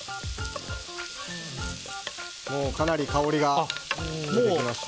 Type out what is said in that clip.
かなり香りがしてきました。